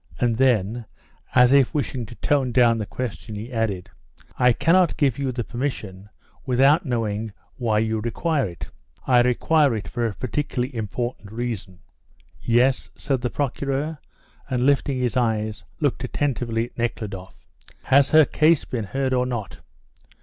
And then, as if wishing to tone down his question, he added, "I cannot give you the permission without knowing why you require it." "I require it for a particularly important reason." "Yes?" said the Procureur, and, lifting his eyes, looked attentively at Nekhludoff. "Has her case been heard or not?"